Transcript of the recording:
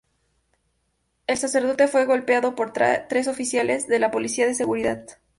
El sacerdote fue golpeado por tres oficiales de la policía de seguridad.